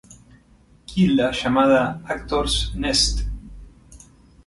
Kilda llamada "Actors Nest".